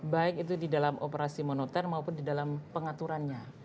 baik itu di dalam operasi moneter maupun di dalam pengaturannya